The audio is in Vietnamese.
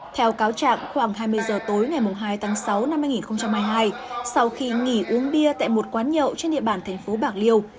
theo cáo trạng khoảng hai mươi giờ tối ngày hai tháng sáu năm hai nghìn hai mươi hai sau khi nghỉ uống bia tại một quán nhậu trên địa bàn thành phố bạc liêu